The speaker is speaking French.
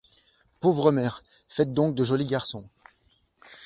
Pauvres mères, faites donc de jolis garçons!